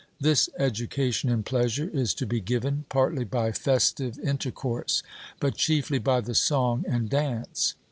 This education in pleasure is to be given, partly by festive intercourse, but chiefly by the song and dance.